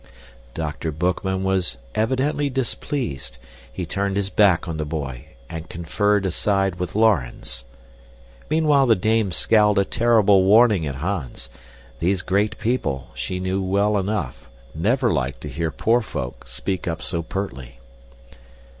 Dr. Boekman was evidently displeased. He turned his back on the boy and conferred aside with Laurens. Meanwhile the dame scowled a terrible warning at Hans. These great people, she knew well enough, never like to hear poor folk speak up so pertly.